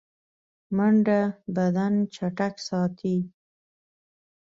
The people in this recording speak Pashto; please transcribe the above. منډه بدن چټک ساتي